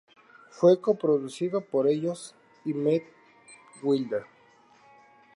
Fue co-producido por ellos y Matthew Wilder.